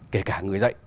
kể cả người dạy